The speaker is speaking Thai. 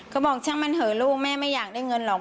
บอกช่างมันเหอะลูกแม่ไม่อยากได้เงินหรอก